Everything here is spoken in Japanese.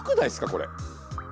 これ。